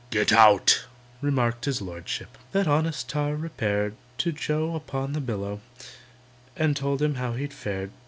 "Get out!" remarked his Lordship. That honest tar repaired To JOE upon the billow, And told him how he'd fared.